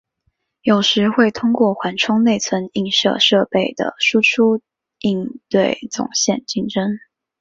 有时会通过缓冲内存映射设备的输出应对总线竞争。